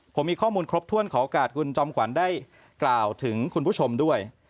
ผมมีข้อมูลครบถ้วนขอโอกาสคุณจอมขวัญได้กล่าวถึงคุณผู้ชมด้วย